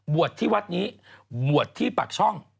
ที่วัดนี้บวชที่ปากช่อง